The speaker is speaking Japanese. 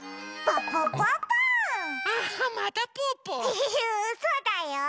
フフフそうだよ！